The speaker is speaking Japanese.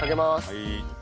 はい。